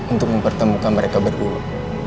untuk mempertemukan mereka berdua